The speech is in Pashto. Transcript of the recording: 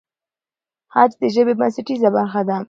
خج د ژبې بنسټیزه برخه ده.